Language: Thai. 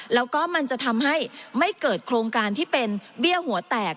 แล้วก็มันจะทำให้ไม่เกิดโครงการที่เป็นเบี้ยหัวแตก